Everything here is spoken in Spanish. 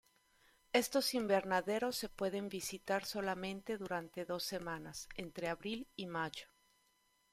Estos invernaderos se pueden visitar solamente durante dos semanas entre abril y mayo.